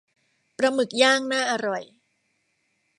ปลาหมึกย่างน่าอร่อย